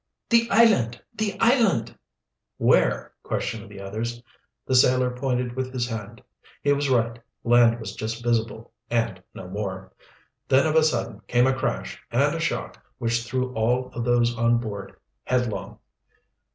"The island! The island!" "Where?" questioned the others. The sailor pointed with his hand. He was right; land was just visible, and no more. Then of a sudden came a crash and a shock which threw all of those on board headlong.